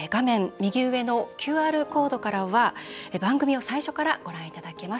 右上のＱＲコードから番組を最初からご覧いただけます。